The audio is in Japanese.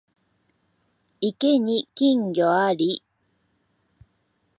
池に金魚あり